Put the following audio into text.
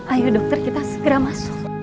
ayo dokter kita segera masuk